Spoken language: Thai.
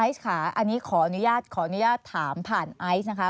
ไอซ์ค่ะอันนี้ขออนุญาตถามผ่านไอซ์นะคะ